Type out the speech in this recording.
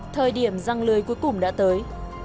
thời điểm răng lưới cuối cùng đã tới